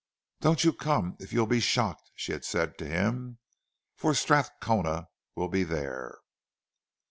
"Don't you come if you'll be shocked," she had said to him—"for Strathcona will be there."